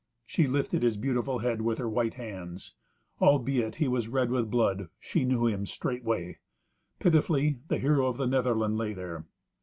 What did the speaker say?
She lifted his beautiful head with her white hands. Albeit he was red with blood, she knew him straightway. Pitifully the hero of the Netherland lay there.